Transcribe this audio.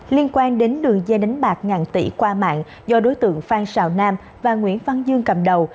liên quan đến đường dây đánh bạc ngàn tỷ qua mạng do đối tượng phan xào nam và nguyễn văn dương cầm đầu